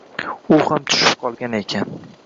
U ham tushib qolgan ekan.